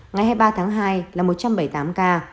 ngày hai mươi ba tháng hai là một trăm bảy mươi tám ca